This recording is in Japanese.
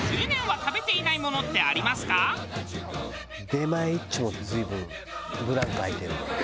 出前一丁も随分ブランク空いてる。